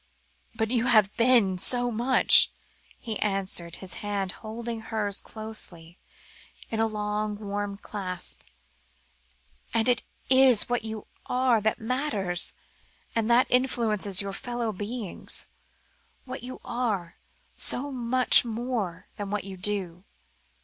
"But you have been so much," he answered, his hand holding hers closely, in a long warm clasp; "and it is what you are that matters, and that influences your fellow beings what you are, so much more than what you do.